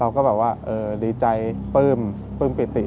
เราก็แบบว่าดีใจปลื้มปลื้มปิดสิ